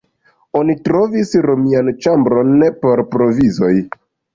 Oni trovis romian ĉambron por provizoj.